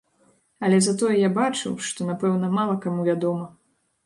Але затое я бачыў, што, напэўна, мала каму вядома.